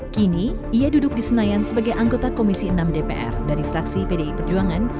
kini ia duduk di senayan sebagai anggota komisi enam dpr dari fraksi pdi perjuangan